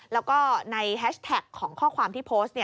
แล้วก็ในแฮชแท็กของข้อความที่โพสต์